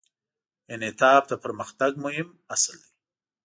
انعطاف د پرمختګ مهم اصل دی.